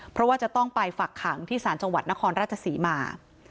เพราะว่าจะต้องไปฝักขังที่ศาลจังหวัดนครราชศรีมา